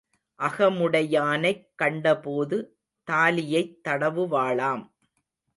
அகமுடையானைக் கண்டபோது தாலியைத் தடவுவாளாம்.